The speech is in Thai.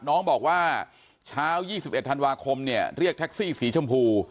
น้องบอกว่าเช้า๒๑ธันวาคมเนี่ยเรียกแท็กซี่สีชมพู